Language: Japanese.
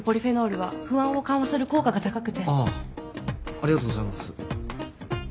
ありがとうございます。